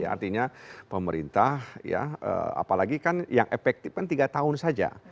artinya pemerintah ya apalagi kan yang efektif kan tiga tahun saja